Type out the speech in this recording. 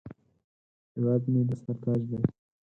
هیواد مې د سر تاج دی